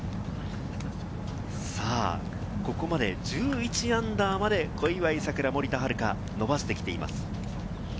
ここまで−１１まで小祝さくら、森田遥、伸ばしてきています。